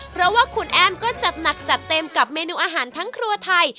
เพราะว่าคุณแอมก็จัดหนักจัดเต็มกับเมนูอาหารทั้งครัวไทย